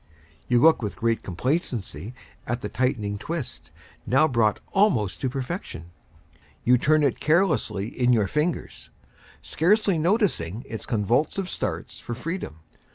You look with great complacency at the tightening twist, now brought almost to perfection. You turn it carelessly in your fingers, scarcely noticing its convulsive starts for freedom.